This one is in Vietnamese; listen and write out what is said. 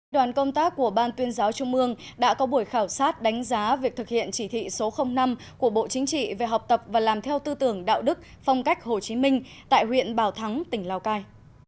đoàn công tác của ban tuyên giáo trung mương đã có buổi khảo sát đánh giá việc thực hiện chỉ thị số năm của bộ chính trị về học tập và làm theo tư tưởng đạo đức phong cách hồ chí minh tại huyện bảo thắng tỉnh lào cai